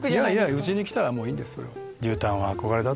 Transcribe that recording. うちに来たらもういいんです。